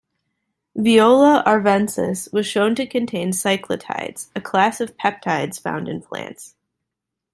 "Viola arvensis" was shown to contain cyclotides, a class of peptides found in plants.